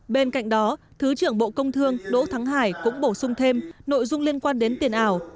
bên cạnh đó thứ trưởng bộ công thương đỗ thắng hải cũng bổ sung thêm nội dung liên quan đến tiền ảo